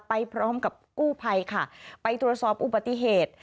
ไปพร้อมกับกู้ภัยค่ะไปตรวจสอบอุบัติเหตุ